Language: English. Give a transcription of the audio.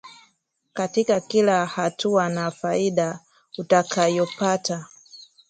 katika kila hatua na faida utakayopata.